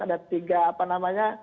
ada tiga apa namanya